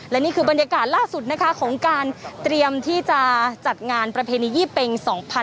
และนี่คือบรรยากาศล่าสุดนะคะของการเตรียมที่จะจัดงานประเพณียี่เป็ง๒๕๖๒